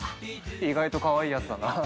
意外とかわいいやつだな。